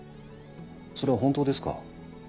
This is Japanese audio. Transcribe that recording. それは本当ですか？